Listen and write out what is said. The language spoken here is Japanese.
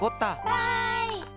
わい！